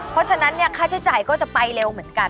เพราะฉะนั้นค่าใช้จ่ายก็จะไปเร็วเหมือนกัน